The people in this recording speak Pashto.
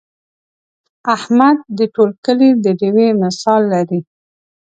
احمد د ټول کلي د ډېوې مثال لري.